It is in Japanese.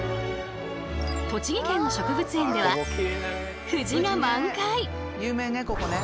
栃木県の植物園では藤が満開。